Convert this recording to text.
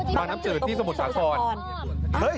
บางน้ำจืดสมุทรสาธาภาคศร